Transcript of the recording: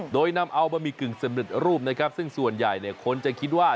โดยนำเอาบะหมี่กึ่งสำเร็จรูปซึ่งส่วนใหญ่คนจะคิดว่า